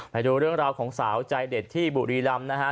ไปดูเรื่องราวของสาวใจเด็ดที่บุรีรำนะฮะ